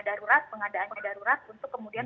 darurat pengadaannya darurat untuk kemudian